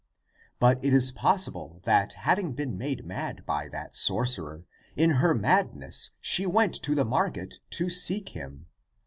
But it is possible that having been made mad by that sorcerer, in her madness she went to the market to seek him.